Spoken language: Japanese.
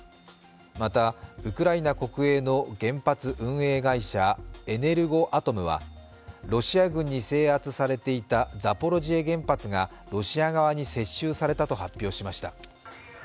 また、ウクライナ国営の原発運営会社エネルゴアトムはロシア軍に制圧されていたザポロジエ原発がロシア側に接収されたと発表しました。